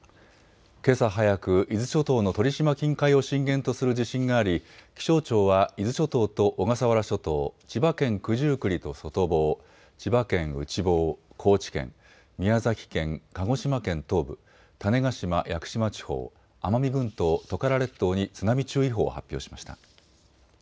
けさ早く伊豆諸島の鳥島近海を震源とする地震があり気象庁は伊豆諸島と小笠原諸島、千葉県九十九里と外房、千葉県内房、高知県、宮崎県、鹿児島県東部、種子島・屋久島地方、奄美群島・トカラ列島に津波注意報を発表しました。